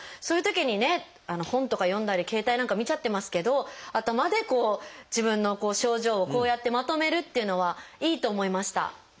そういうときにね本とか読んだり携帯なんか見ちゃってますけど頭でこう自分の症状をこうやってまとめるっていうのはいいと思いました。